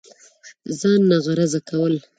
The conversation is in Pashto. ځان ناغرضه كول